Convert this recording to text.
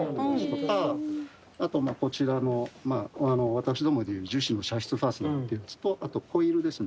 あとまぁこちらの私どもでいう樹脂の射出ファスナーっていうやつとあとコイルですね。